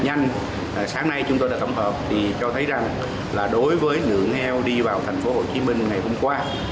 nhanh sáng nay chúng tôi đã tổng hợp thì cho thấy rằng là đối với lượng heo đi vào thành phố hồ chí minh ngày hôm qua